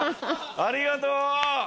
ありがとう！